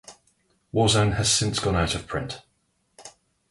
Warzone has since gone out of print.